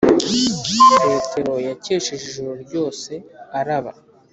petero yakesheje ijoro ryose araba